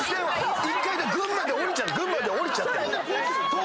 １回群馬で降りちゃってる。